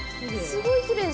すごいきれい！